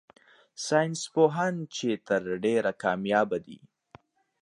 ساينس پوهان چي تر ډېره کاميابه دي